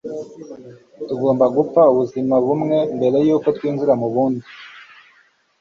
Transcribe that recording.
tugomba gupfa ubuzima bumwe mbere yuko twinjira mu bundi